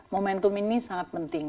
momentum ini sangat penting